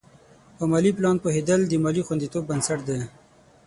په مالي پلان پوهېدل د مالي خوندیتوب بنسټ دی.